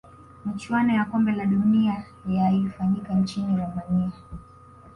michuano ya kombe la dunia ya ilifanyika nchini romania